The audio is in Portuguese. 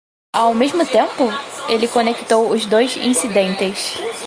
Ao mesmo tempo? ele conectou os dois incidentes.